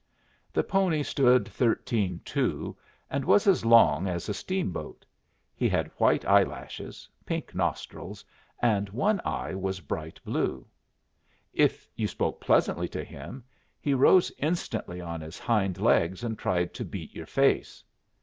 The pony stood thirteen two, and was as long as a steamboat. He had white eyelashes, pink nostrils, and one eye was bright blue. If you spoke pleasantly to him, he rose instantly on his hind legs and tried to beat your face.